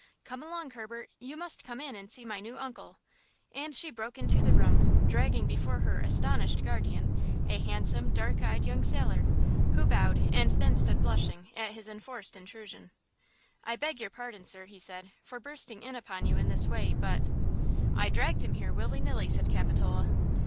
Come along, Herbert; you must come in and see my new uncle!" And she broke into the room, dragging before her astonished guardian a handsome, dark eyed young sailor, who bowed and then stood blushing at his enforced intrusion. "I beg your pardon, sir," he said, "for bursting in upon you in this way; but–" "I dragged him here willy nilly," said Capitola.